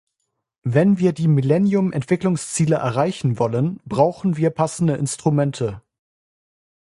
Wenn wir die Millennium-Entwicklungsziele erreichen wollen, brauchen wir passende Instrumente.